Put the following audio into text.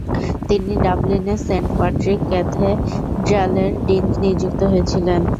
তিনি ডাবলিনের Saint Patrick ক্যাথেড্রালের ডীন নিযুক্ত হয়েছিলেন।